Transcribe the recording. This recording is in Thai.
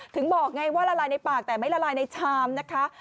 ถึงบอกไงว่าละลายในปากแต่ไม่ละลายในชามนะคะ